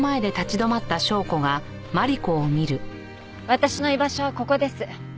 私の居場所はここです。